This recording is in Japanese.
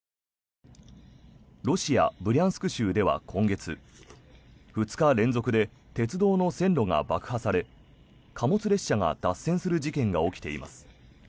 ロシア・ブリャンスク州では今月２日連続で鉄道の線路が爆破され貨物列車が脱線する事件が起きています。